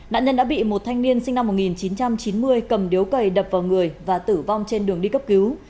nạn nhân đã bị một thanh niên sinh năm một nghìn chín trăm chín mươi cầm điếu cày đập vào người và tử vong trên đường đi cấp cứu